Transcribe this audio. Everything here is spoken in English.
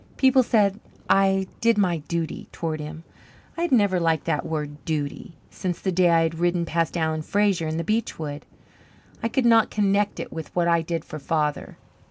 People said I "did my duty" toward him. I had never liked that word "duty," since the day I had ridden past Alan Fraser in the beech wood. I could not connect it with what I did for Father.